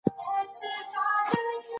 نړیوال حقوق د هیوادونو ترمنځ نظم ساتي.